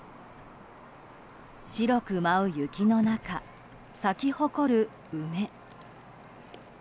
白く舞う雪の中咲き誇る梅。